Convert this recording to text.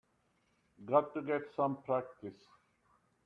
Got to get some practice.